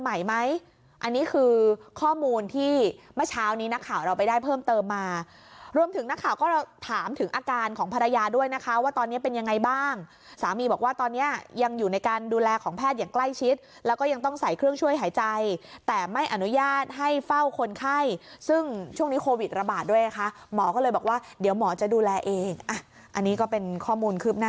ไหมอันนี้คือข้อมูลที่เมื่อเช้านี้นักข่าวเราไปได้เพิ่มเติมมารวมถึงนักข่าวก็ถามถึงอาการของภรรยาด้วยนะคะว่าตอนนี้เป็นยังไงบ้างสามีบอกว่าตอนนี้ยังอยู่ในการดูแลของแพทย์อย่างใกล้ชิดแล้วก็ยังต้องใส่เครื่องช่วยหายใจแต่ไม่อนุญาตให้เฝ้าคนไข้ซึ่งช่วงนี้โควิดระบาดด้วยนะคะหมอก็เลยบอกว่าเดี๋ยวหมอจะดูแลเองอ่ะอันนี้ก็เป็นข้อมูลคืบหน้า